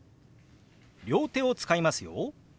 両手を使いますよ。